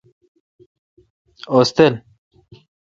اوس تل۔